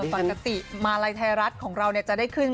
ปรากฏิมายไทรัฐของเราจะได้ขึ้น